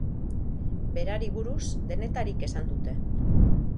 Berari buruz denetarik esan dute.